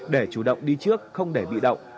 để chủ động đi trước không để bị động